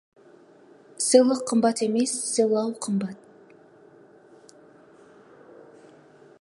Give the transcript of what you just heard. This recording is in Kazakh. Сыйлық қымбат емес, сыйлау қымбат.